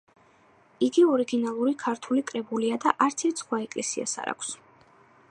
იგი ორიგინალური ქართული კრებულია და არც ერთ სხვა ეკლესიას არ აქვს.